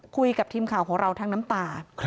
คุยกับทีมข่าวของเราทั้งน้ำตา